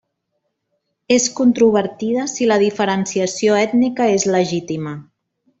És controvertida si la diferenciació ètnica és legítima.